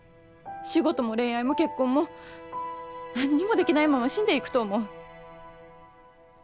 仕事も恋愛も結婚も何にもできないまま死んでいくと思う。